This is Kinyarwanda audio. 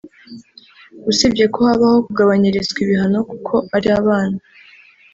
usibye ko habaho kugabanyirizwa ibihano kuko ari abana”